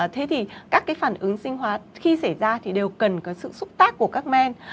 thế thì các cái phản ứng sinh hoạt khi xảy ra thì đều cần có sự xúc tác của các men